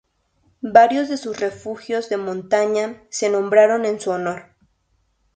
Varios de sus refugios de montaña se nombraron en su honor.